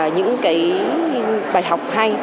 những cái bài học hay